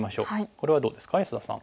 これはどうですか安田さん。